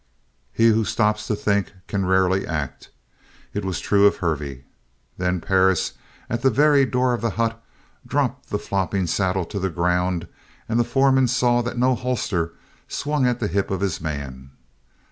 He who stops to think can rarely act. It was true of Hervey. Then Perris, at the very door of the hut, dropped the flopping saddle to the ground and the foreman saw that no holster swung at the hip of his man.